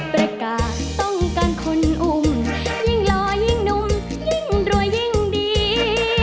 ประกาศต้องการคนอุ้มยิ่งรอยิ่งนุ่มยิ่งรวยยิ่งดี